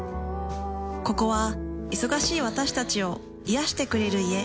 ここは忙しい私たちを癒してくれる家。